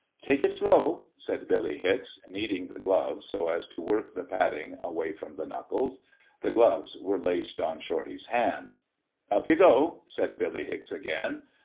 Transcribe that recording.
"Take it slow," said Billy Hicks, kneading the gloves, so as to work the padding away from the knuckles. The gloves were laced on Shorty's hands. "Up you go," said Billy Hicks, again.